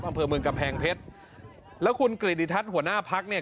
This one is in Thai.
อำเภอเมืองกำแพงเพชรแล้วคุณกริติทัศน์หัวหน้าพักเนี่ย